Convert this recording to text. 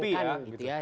semuanya happy lah